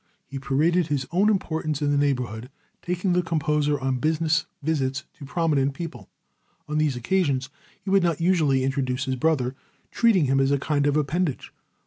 He paraded his own importance in the neighborhood, taking the composer on business visits to prominent people. On these occasions he would not usually introduce his brother, treating him as a kind of appendage.